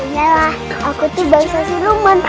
yalah aku tuh bangsa siluman